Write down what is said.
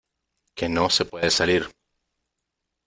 ¡ que no se puede salir !